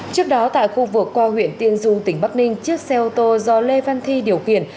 trước đó tại khu vực qua huyện tiên du tỉnh bắc ninh chiếc xe ô tô do lê văn thi điều khiển